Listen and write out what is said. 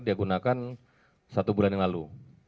digunakan satu bulan yang lalu